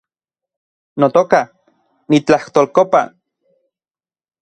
Notoka , nitlajtolkopa